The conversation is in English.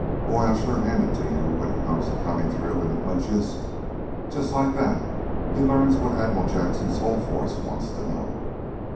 Boy! I sure hand it to you when it comes to coming through in the clinches! Just like that he learns what Admiral Jackson's whole force wants to know.